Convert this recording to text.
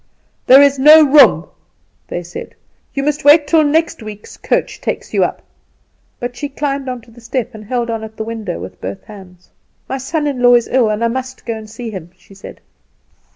"'There is no room,' they said; 'you must wait till next week's coach takes you up;' but she climbed on to the step, and held on at the window with both hands. "'My son in law is ill, and I must go and see him,' she said.